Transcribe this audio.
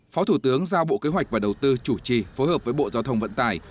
phó thủ tướng giao bộ kế hoạch và đầu tư chủ trì phối hợp với bộ giao thông vận tải